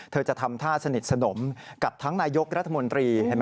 เธอจะทำท่าสนิทสนมกับทั้งนายกรัฐมนตรีเห็นไหม